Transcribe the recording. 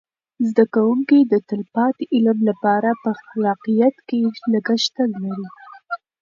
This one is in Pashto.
زده کوونکي د تلپاتې علم لپاره په خلاقیت کې لګښته لري.